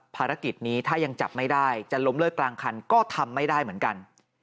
ภารกิจนี้ถ้ายังจับไม่ได้จะล้มเลิกกลางคันก็ทำไม่ได้เหมือนกัน